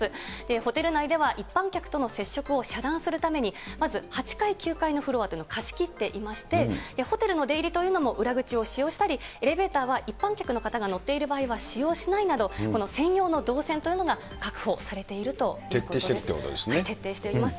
ホテル内では一般客との接触を遮断するために、まず８階、９階のフロアを貸し切っていまして、ホテルの出入りというのも裏口を使用したり、エレベーターは一般客の方が乗っている場合は使用しないなど、この専用の動線というのが確保されているということで徹底しているということです徹底しています。